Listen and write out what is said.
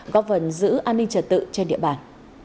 góp phần giữ an ninh trật tự trên địa bàn